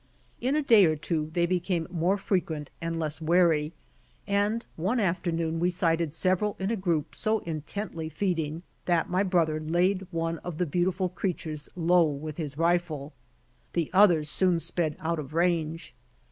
In a day or two they became more frequent and less wary, and one afternoon we sighted several in a group so intently feeding that my brother laid one of the beautiful creatures low with his rifle. The others soon sped out of range.